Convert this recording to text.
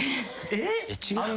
えっ！？